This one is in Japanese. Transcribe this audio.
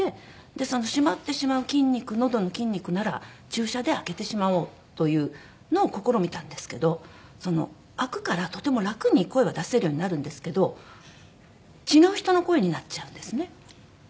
その閉まってしまう筋肉のどの筋肉なら注射で開けてしまおうというのを試みたんですけど開くからとても楽に声は出せるようになるんですけど違う人の声になっちゃうんですね。